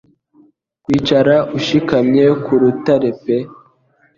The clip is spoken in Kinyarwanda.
Kwicara ushikamye ku rutare pe